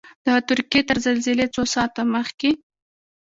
د ترکیې تر زلزلې څو ساعته مخکې.